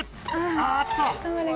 あっと！